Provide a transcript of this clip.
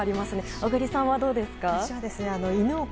小栗さんはどうですか？